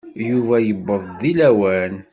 Yuba yuweḍ-d deg lawan?